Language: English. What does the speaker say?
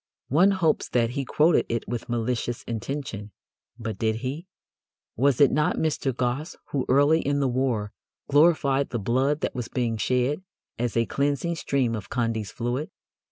One hopes that he quoted it with malicious intention. But did he? Was it not Mr. Gosse who early in the war glorified the blood that was being shed as a cleansing stream of Condy's Fluid?